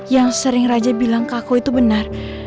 yang sering raja bilang ke aku itu benar